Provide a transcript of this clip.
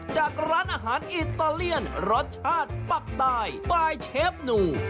จากร้านอาหารอิตาเลียนรสชาติปักใต้บายเชฟหนู